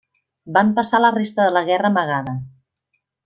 Van passar la resta de la guerra amagada.